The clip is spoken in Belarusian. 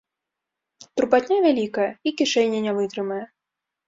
Турбатня вялікая, і кішэня не вытрымае.